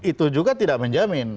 itu juga tidak menjamin